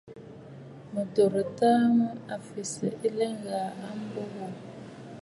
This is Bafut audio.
Mə̀ dòrɨ̀tə a mfiʼisə̂ ɨ̀lɛ̀ɛ̂ gha a mbo wò.